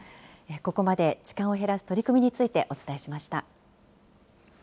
ここまで痴漢を減らす取り組みについてお伝えしました。